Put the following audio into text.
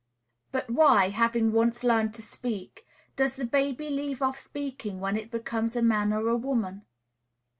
But why, having once learned to speak, does the baby leave off speaking when it becomes a man or a woman?